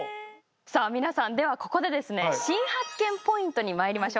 さあ皆さんではここでですね新発見ポイントにまいりましょう。